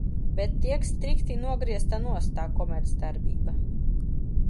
Bet tiek strikti nogriezta nost tā komercdarbība.